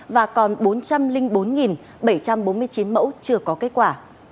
và còn bốn trăm linh bốn bảy trăm bốn mươi chín mẫu chưa có kết quả